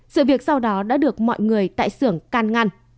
sự việc sau đó đã được mọi người tại xưởng can ngăn